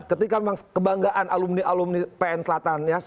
ketika memang kebanggaan alumni alumni pn selatan ya